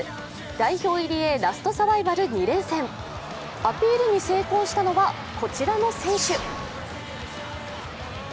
代表入りへラストサバイバル２連戦アピールに成功したのはこちらの選手。